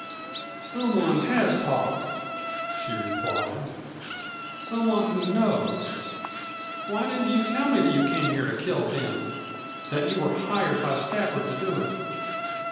"Someone has talked," she replied; "someone who knows. Why didn't you tell me that you came here to kill Ben? That you were hired by Stafford to do it?"